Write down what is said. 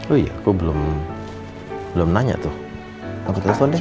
oh iya aku belum nanya tuh aku telepon deh